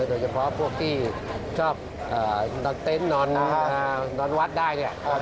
โดยเฉพาะพวกที่ชอบนอนเต็นต์นอนวัดได้เนี่ย